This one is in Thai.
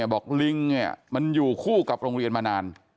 บอกลิงมันอยู่คู่กับโรงเรียนมานาน